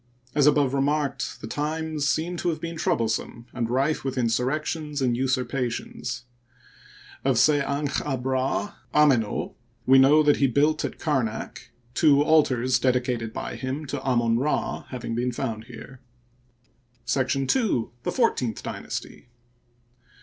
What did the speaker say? As above remarked, the times seem to have been troublesome and rife with insurrections and usurpa tions. Of Sednch ab'Rd, Amend, we know that he built at Kamak, two altars dedicated by him to Amon Rd hav ing been found here. § 2. The Fourteenth Dynasty.